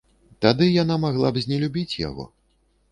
Тады яна магла б знелюбіць яго.